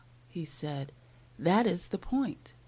he said, "that is the point."